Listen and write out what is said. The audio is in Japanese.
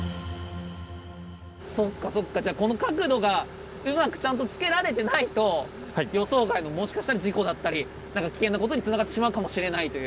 そっかそっかじゃこの角度がうまくちゃんとつけられてないと予想外のもしかしたら事故だったりなんか危険なことにつながってしまうかもしれないという。